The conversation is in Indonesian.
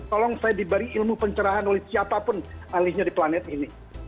tolong saya diberi ilmu pencerahan oleh siapapun alihnya di planet ini